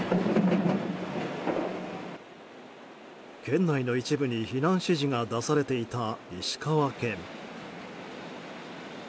県内の一部に避難指示が出されていた石川県。